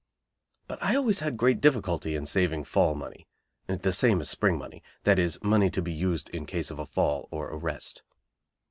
But I always had great difficulty in saving "fall money," (the same as spring money; that is money to be used in case of a "fall," or arrest).